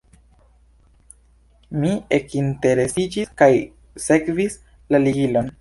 Mi ekinteresiĝis kaj sekvis la ligilon.